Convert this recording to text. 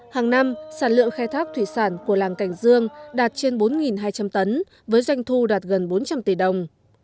hàng năm sản lượng khai thác thủy sản của làng cảnh dương đạt trên bốn hai trăm linh tấn với doanh thu đạt gần bốn trăm linh tỷ đồng